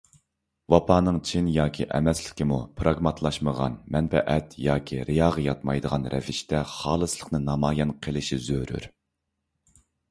ۋاپانىڭ چىن ياكى ئەمەسلىكىمۇ پىراگماتلاشمىغان، مەنپەئەت ياكى رىياغا ياتمايدىغان رەۋىشتە خالىسلىقىنى نامايان قېلىشى زۆرۈر.